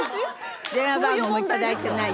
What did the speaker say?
電話番号も頂いてないし。